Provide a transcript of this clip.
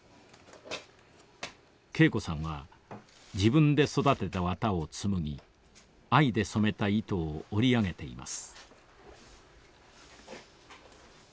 桂子さんは自分で育てた綿を紡ぎ藍で染めた糸を織り上げています。